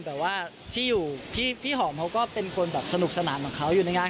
แต่ว่าที่อยู่พี่หอมเขาก็เป็นคนแบบสนุกสนานเหมือนเขาอยู่ในงาน